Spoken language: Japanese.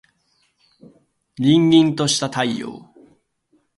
燦燦とした太陽